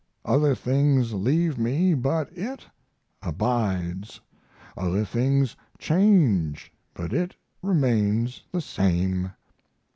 Other things leave me, but it abides; other things change, but it remains the same.